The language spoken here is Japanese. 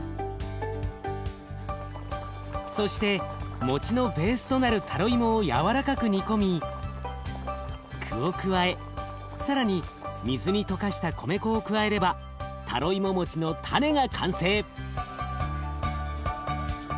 そして餅のベースとなるタロイモを軟らかく煮込み具を加え更に水に溶かした米粉を加えればタロイモ餅のたねが完成。